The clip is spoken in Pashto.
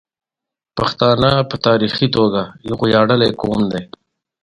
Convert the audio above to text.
اوس هم هره ورځ په رسنیو کې اورو.